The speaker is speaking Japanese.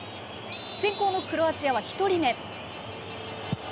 先攻のクロアチアは１人目。